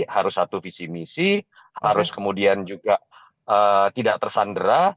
harus satu visi misi harus kemudian juga tidak tersandera